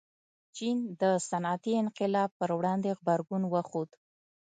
چین د صنعتي انقلاب پر وړاندې غبرګون وښود.